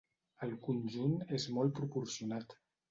El conjunt és molt proporcionat.